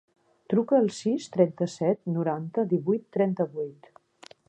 Truca al sis, trenta-set, noranta, divuit, trenta-vuit.